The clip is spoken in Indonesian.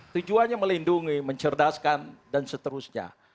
tujuannya melindungi mencerdaskan dan seterusnya